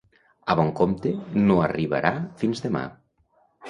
A bon compte, no arribarà fins demà.